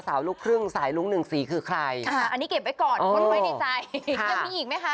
ยังมีอีกไหมคะ